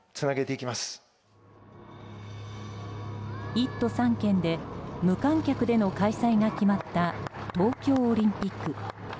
１都３県で無観客での開催が決まった東京オリンピック。